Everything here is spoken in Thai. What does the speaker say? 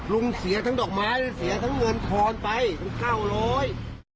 ลุงเสียทั้งดอกไม้เสียทั้งเงินทอนไปถึงเก้าร้อย